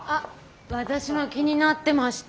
私も気になってました。